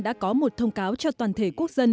đã có một thông cáo cho toàn thể quốc dân